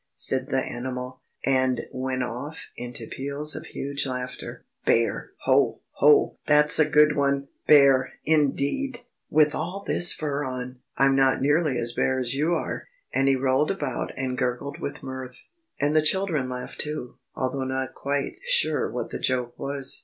said the animal, and went off into peals of huge laughter. "Bare! Ho, ho! That's a good one! Bare, indeed! With all this fur on! I'm not nearly as bare as you are!" And he rolled about and gurgled with mirth. And the children laughed too, although not quite sure what the joke was.